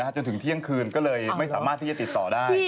จนถึงเที่ยงคืนก็เลยไม่สามารถที่จะติดต่อได้